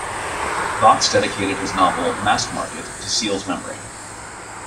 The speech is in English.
Vachss dedicated his novel "Mask Market" to Seals's memory.